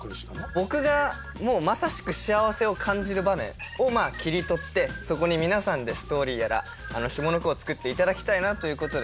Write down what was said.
僕がもうまさしく幸せを感じる場面を切り取ってそこに皆さんでストーリーやら下の句を作って頂きたいなということで。